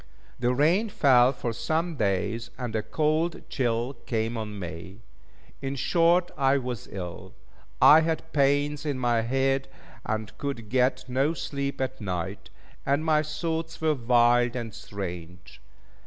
The rain fell for some days and a cold chill came on me; in short I was ill. I had pains in my head, and could get no sleep at night, and my thoughts were wild and strange.